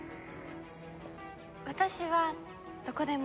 私はどこでも。